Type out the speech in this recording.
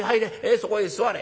そこへ座れ。